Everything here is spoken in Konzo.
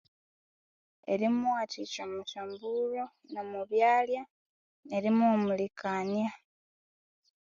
Erimuwathikya musyombulho no mubyalya neri muhumulikania